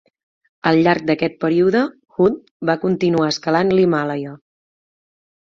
Al llarg d'aquest període, Hunt va continuar escalant l'Himàlaia.